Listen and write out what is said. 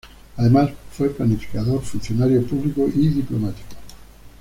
Además fue planificador, funcionario público y diplomático.